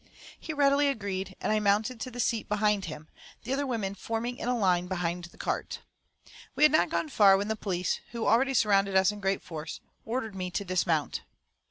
He readily agreed, and I mounted to the seat behind him, the other women forming in line behind the cart. We had not gone far when the police, who already surrounded us in great force, ordered me to dismount.